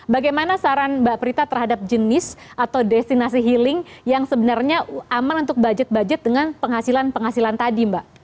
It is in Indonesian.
bagaimana saran mbak prita terhadap jenis atau destinasi healing yang sebenarnya aman untuk budget budget dengan penghasilan penghasilan tadi mbak